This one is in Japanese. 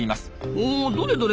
おどれどれ？